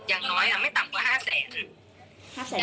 จะมีเงินติดตัวไว้สำหรับค่าเครื่องอืมคือเวลาโดนจับอย่าง